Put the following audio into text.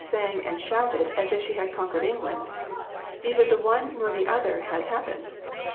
sang and shouted as if she had conquered England neither the one nor the other has happened.